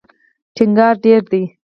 ټینګار ډېر دی.